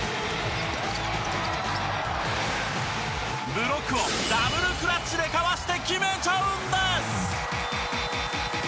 ブロックをダブルクラッチでかわして決めちゃうんです。